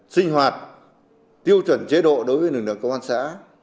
sinh hoạt tiêu chuẩn chế độ đối với lực lượng công an xã